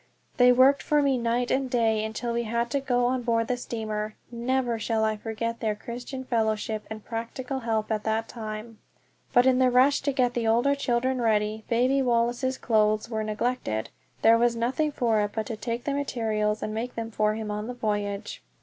They worked for me night and day until we had to get on board the steamer. Never shall I forget their Christian fellowship and practical help at that time. But in the rush to get the older children ready, baby Wallace's clothes were neglected. There was nothing for it but to take materials and make things for him on the voyage.